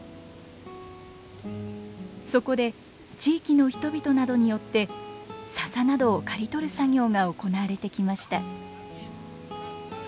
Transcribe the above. そこで地域の人々などによってササなどを刈り取る作業が行われてきました。